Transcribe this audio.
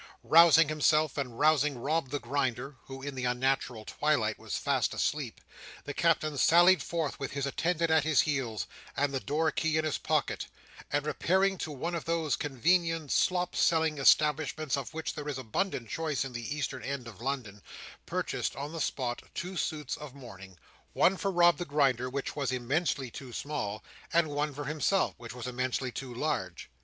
Rousing himself, and rousing Rob the Grinder (who in the unnatural twilight was fast asleep), the Captain sallied forth with his attendant at his heels, and the door key in his pocket, and repairing to one of those convenient slop selling establishments of which there is abundant choice at the eastern end of London, purchased on the spot two suits of mourning—one for Rob the Grinder, which was immensely too small, and one for himself, which was immensely too large.